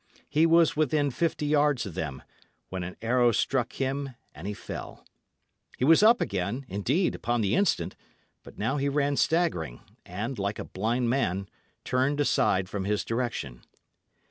He was within fifty yards of them, when an arrow struck him and he fell. He was up again, indeed, upon the instant; but now he ran staggering, and, like a blind man, turned aside from his direction.